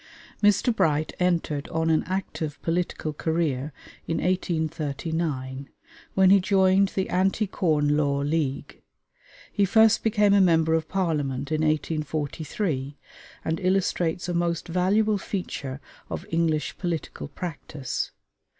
Mr. Bright entered on an active political career in 1839, when he joined the Anti Corn Law League. He first became a member of Parliament in 1843, and illustrates a most valuable feature of English political practice.